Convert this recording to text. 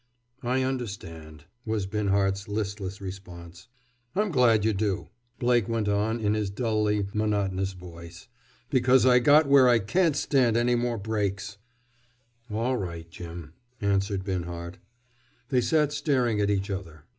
"I understand," was Binhart's listless response. "I'm glad you do," Blake went on in his dully monotonous voice. "Because I got where I can't stand any more breaks." "All right, Jim," answered Binhart. They sat staring at each other.